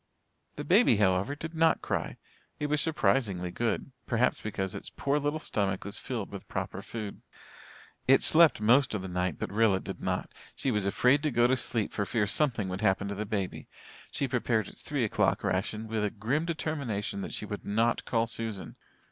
The baby, however, did not cry. It was surprisingly good perhaps because its poor little stomach was filled with proper food. It slept most of the night but Rilla did not. She was afraid to go to sleep for fear something would happen to the baby. She prepared its three o'clock ration with a grim determination that she would not call Susan.